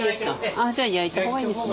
ああじゃあ焼いた方がいいんですね。